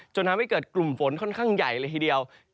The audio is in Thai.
ทำให้เกิดกลุ่มฝนค่อนข้างใหญ่เลยทีเดียว